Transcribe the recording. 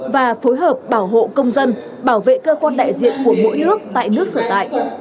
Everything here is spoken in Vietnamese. và phối hợp bảo hộ công dân bảo vệ cơ quan đại diện của mỗi nước tại nước sở tại